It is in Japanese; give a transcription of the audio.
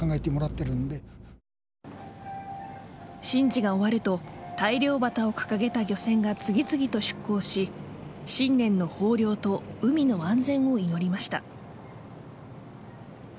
神事が終わると大漁旗を掲げた漁船が次々と出航し新年の豊漁と海の安全を祈りました。